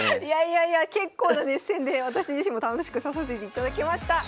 いやいやいや結構な熱戦で私自身も楽しく指させていただきました。